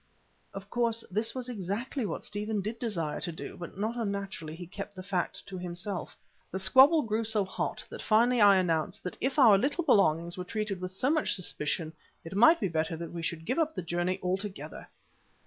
Of course this was exactly what Stephen did desire to do, but not unnaturally he kept the fact to himself. The squabble grew so hot that finally I announced that if our little belongings were treated with so much suspicion, it might be better that we should give up the journey altogether.